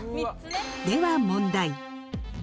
では問題。